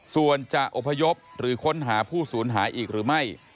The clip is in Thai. ส่วนจะอพยพหรือค้นหาผู้สูญหายอีกหรือไม่